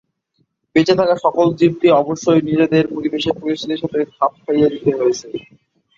বেঁচে থাকা সকল জীবকে অবশ্যই নিজেদের পরিবেশের পরিস্থিতির সাথে খাপ খাইয়ে নিতে হয়েছে।